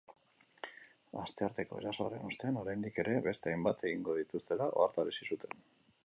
Astearteko erasoaren ostean, oraindik ere beste hainbat egingo dituztela ohartarazi zuten.